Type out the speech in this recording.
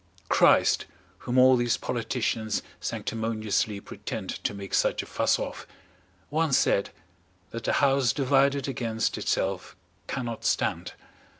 Christ, whom all these politicians sanctimoniously pretend to make such a fuss of, once said that a house divided against itself cannot stand.